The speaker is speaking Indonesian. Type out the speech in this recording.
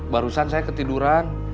barusan saya ketiduran